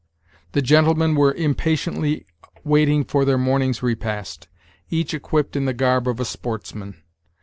The gentlemen were impatiently waiting for their morning's repast, each equipped in the garb of a sportsman.